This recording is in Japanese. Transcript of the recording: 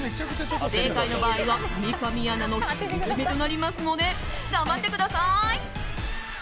不正解の場合は三上アナの独り占めとなりますので頑張ってください！